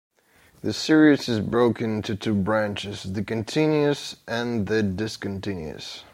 The series is broken into two branches, the continuous and the discontinuous.